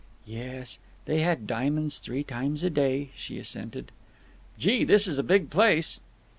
"Yes. They had diamonds three times a day," she assented. "Gee, this is a big place!"